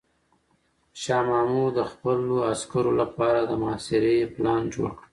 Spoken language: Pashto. شاه محمود د خپلو عسکرو لپاره د محاصرې پلان جوړ کړ.